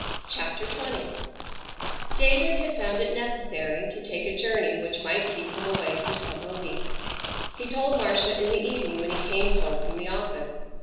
CHAPTER XX David had found it necessary to take a journey which might keep him away for several weeks. He told Marcia in the evening when he came home from the office.